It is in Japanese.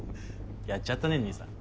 やっちゃったね兄さん。